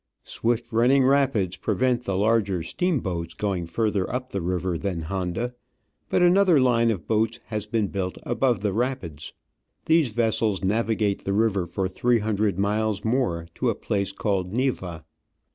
Swift HOW COLOMBIANS TRAVEL. running rapids prevent the larger steamboats going further up the river than Honda, but another line of boats has been built above the rapids. These vessels navigate the river for three hundred miles more to a place called Neiva.